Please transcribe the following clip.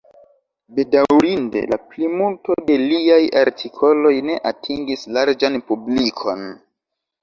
Bedaŭrinde, la plimulto de liaj artikoloj ne atingis larĝan publikon.